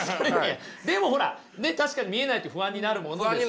でもほら確かに見えないと不安になるものですよね。